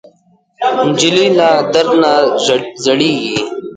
نجلۍ له درد نه زړېږي.